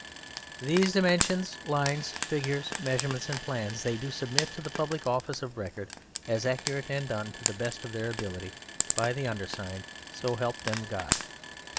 These dimensions, lines, figures, measurements and plans they do submit to the public office of Record as accurate and done to the best of their ability by the undersigned: So Help Them God.